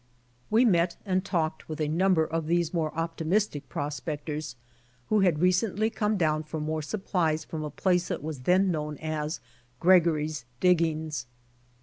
We met and talked with a number of these more optimistic prospectors who had recently come down for more supplies from a place that was then known as "Gregory's Diggings."